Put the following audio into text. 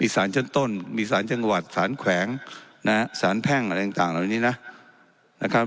สารชั้นต้นมีสารจังหวัดสารแขวงนะฮะสารแพ่งอะไรต่างเหล่านี้นะครับ